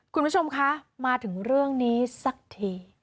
คุณผู้ชมคะมาถึงเรื่องนี้สักที